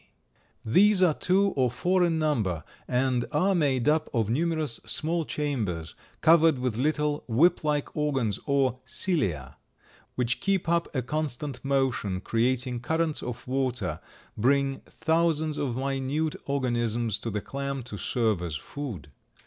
These are two or four in number, and are made up of numerous small chambers, covered with little whip like organs or cilia, which keep up a constant motion, creating currents of water, bring thousands of minute organisms to the clam to serve as food.